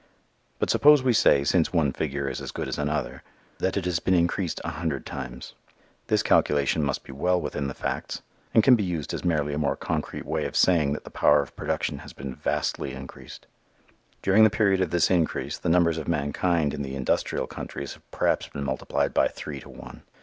But suppose we say, since one figure is as good as another, that it has been increased a hundred times. This calculation must be well within the facts and can be used as merely a more concrete way of saying that the power of production has been vastly increased. During the period of this increase, the numbers of mankind in the industrial countries have perhaps been multiplied by three to one.